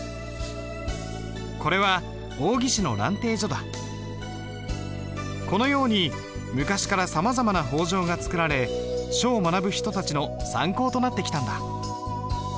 これは王羲之のこのように昔からさまざまな法帖が作られ書を学ぶ人たちの参考となってきたんだ。